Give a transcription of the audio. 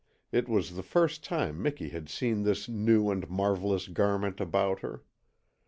It was the first time Miki had seen this new and marvellous garment about her.